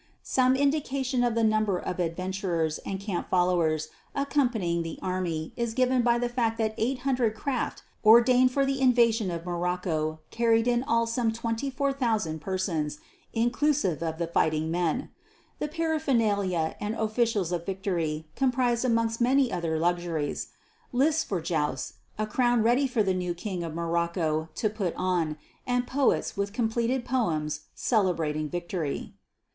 Some indication of the number of adventurers and camp followers accompanying the army is given by the fact that the 800 craft ordained for the invasion of Morocco carried in all some 24,000 persons, inclusive of the fighting men. The paraphernalia and officials of victory comprised amongst many other luxuries: lists for jousts, a crown ready for the new King of Morocco to put on, and poets with completed poems celebrating victory.